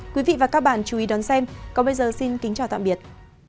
quý vị và các bạn chú ý đón xem còn bây giờ xin kính chào tạm biệt